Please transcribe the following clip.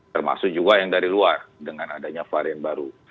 termasuk juga yang dari luar dengan adanya varian baru